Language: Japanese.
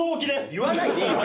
言わないでいいよ